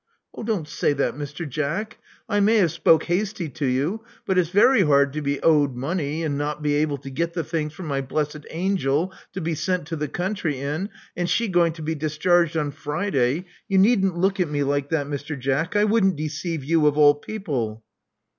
*' Oh, don*t say that, Mr. Jack. I may have spoke hasty to you; but its very hard to be owed money, and not be able to get the things for my blessed angel to be sent to the country in, and she going to be dis charged on Friday. You needn't look at me like that, Mr. Jack. I wouldn't deceive you of all people."